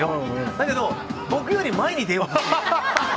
だけど、僕より前に出ようとする。